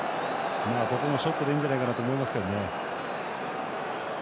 ここも、ショットでいいんじゃないかと思いますけどね。